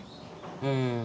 うん。